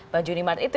pak juni mart itu